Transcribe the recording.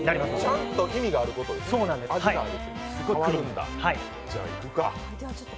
ちゃんと意味があることなんですね、味があると。